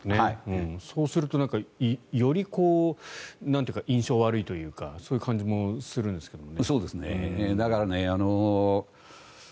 そうするとより印象悪いというかそういう感じもするんですけど。